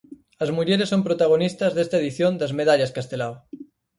As mulleres son protagonistas desta edición das Medallas Castelao.